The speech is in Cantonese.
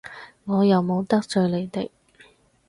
我又冇得罪你哋！